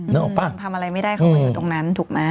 นึกออกปะอืมอืมอืมทำอะไรไม่ได้เข้ามาอยู่ตรงนั้นถูกนะ